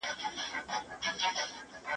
د قدرت لپاره جګړې هېواد ویجاړ کړ.